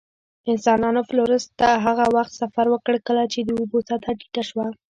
انسانانو فلورس ته هغه وخت سفر وکړ، کله چې د اوبو سطحه ټیټه شوه.